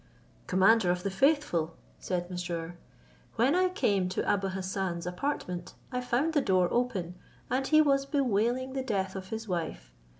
"Commander of the faithful," said Mesrour, "when I came to Abou Hassan's apartment, I found the door open, and he was bewailing the death of his wife.